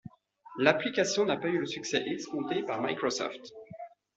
L'application n'a pas eu le succès escompté par Microsoft.